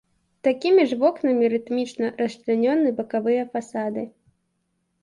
Такімі ж вокнамі рытмічна расчлянёны бакавыя фасады.